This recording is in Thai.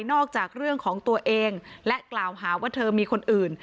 จากเรื่องของตัวเองและกล่าวหาว่าเธอมีคนอื่น